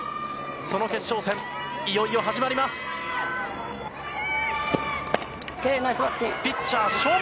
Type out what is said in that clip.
その決勝戦、いよいよ始まります。